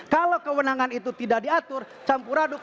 kalau kewenangan itu tidak diatur campur aduk